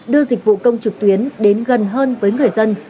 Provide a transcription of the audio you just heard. đưa dịch vụ công trực tuyến đến gần hơn với người dân